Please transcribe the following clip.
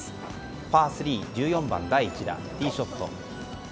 パー３１４番、第１打、ティーショット。